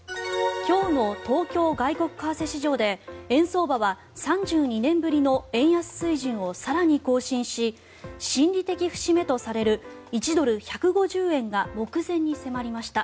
今日の東京外国為替市場で円相場は３２年ぶりの円安水準を更に更新し心理的節目とされる１ドル＝１５０円が目前に迫りました。